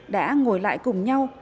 đã ngồi lại cùng nhau